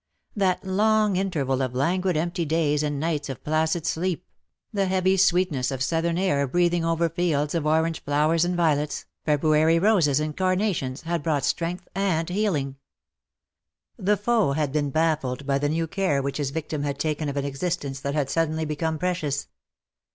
That long interval of languid empty days and nights of placid sleep — the heavy sweet VJ " LET ME AND MY PASSIONATE LOVE GO BY.' ness of southern air breathing over fields of orange flowers and violets^ February roses and carnations, had brought strength and healing. The foe had been baffled by the new care which his victim had taken of an existence that had suddenly become precious.